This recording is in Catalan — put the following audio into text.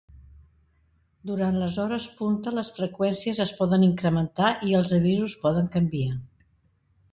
Durant les hores punta les freqüències es poden incrementar i els avisos poden canviar.